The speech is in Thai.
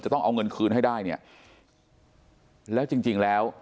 ต้องเอาเงินคืนให้ได้เนี่ยแล้วจริงจริงแล้ว